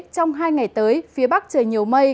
trong hai ngày tới phía bắc trời nhiều mây